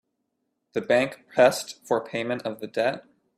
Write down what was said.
The bank pressed for payment of the debt.